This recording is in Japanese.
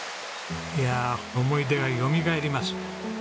いやあ思い出がよみがえります。